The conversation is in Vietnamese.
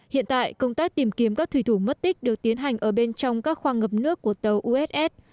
hiện tại công tác tìm kiếm các thủy thủ mất tích được tiến hành ở bên trong các khoang ngập nước của tàu uss